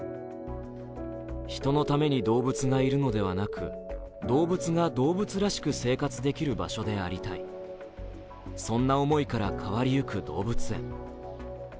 人のために動物がいるのではなく動物が動物らしく生活できる場所でありたい、そんな思いから変わりゆく動物園。